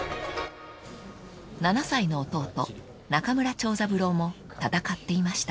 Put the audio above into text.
［７歳の弟中村長三郎も闘っていました］